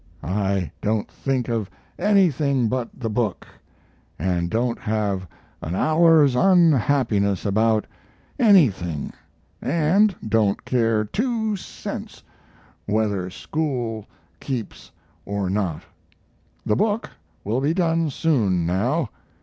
I don't think of anything but the book, and don't have an hour's unhappiness about anything, and don't care two cents whether school keeps or not. The book will be done soon now.